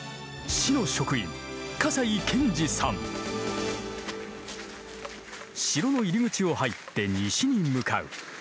市の職員城の入り口を入って西に向かう。